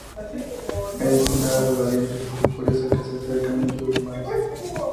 Es un ave valiente y curiosa que se acerca mucho a los humanos.